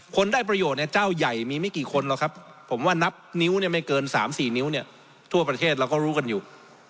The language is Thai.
คนได้ประโยชน์เนี่ยเจ้าใหญ่มีไม่กี่คนหรอกครับผมว่านับนิ้วเนี่ยไม่เกิน๓๔นิ้วเนี่ยทั่วประเทศเราก็รู้กันอยู่